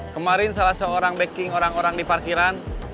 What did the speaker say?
kemarin salah seorang backing orang orang di parkiran